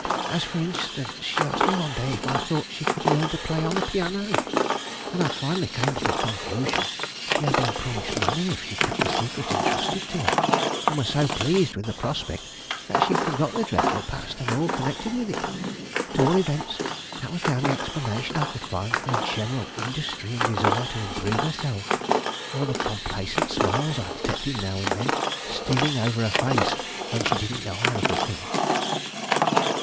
As, for instance, she asked me one day if I thought she could learn to play on the piano. And I finally came to the conclusion she had been promised money if she kept the secret intrusted to her, and was so pleased with the prospect that she forgot the dreadful past, and all connected with it. At all events, that was the only explanation I could find for her general industry and desire to improve herself, or for the complacent smiles I detected now and then stealing over her face when she didn't know I was looking."